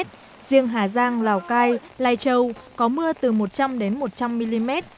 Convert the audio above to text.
riêng hà giang lào cai lai châu có mưa từ một trăm linh đến một trăm linh mm